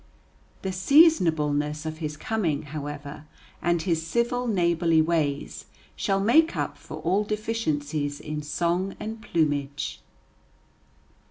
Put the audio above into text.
The seasonableness of his coming, however, and his civil, neighborly ways, shall make up for all deficiencies in song and plumage.